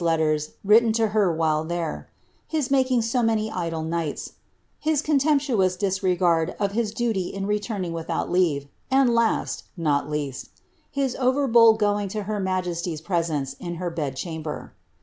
in Ireland — hi^ pre; — his making so many idle knights — his contemptuous disregard of hi* duty in returning without leave — and last, (not least.) his over bold going to her majesty's presence in her bed chami)er."